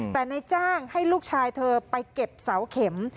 แต่นายจ้างให้ลูกชายเธอไปเก็บเสาเข็ม